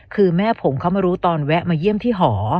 คือแม่ผมเขามารู้ตอนแวะมาเยี่ยมที่หอ